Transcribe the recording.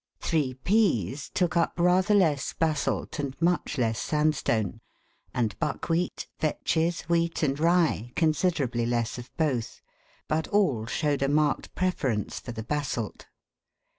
Three peas took up rather less basalt and much less sandstone, and buckwheat, vetches, wheat, and rye, considerably less of both ; but all showed a marked preference for the basalt.